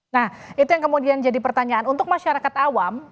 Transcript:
nah itu yang kemudian jadi pertanyaan untuk masyarakat awam